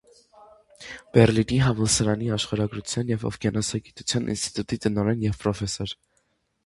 Բեռլինի համալսարանի աշխարհագրության և օվկիանոսագիտության ինստիտուտի տնօրեն և պրոֆեսոր։